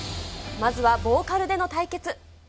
まずは、ボーカルでの対決。